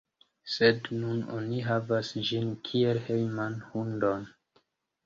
Sed nun oni havas ĝin kiel hejman hundon.